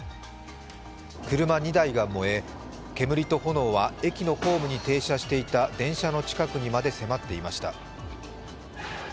車２台が燃え、煙と炎は駅のホームに停車していた電車の近くにまで迫っていました。